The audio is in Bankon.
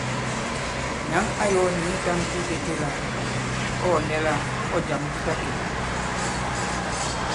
Nyǎŋ ā yɔ̄ nì nyɛtām itētē la tâ ɔ̀ nɛ la ɔ̂ jàm di ta kɛ̀.